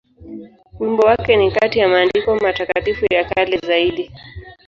Wimbo wake ni kati ya maandiko matakatifu ya kale zaidi.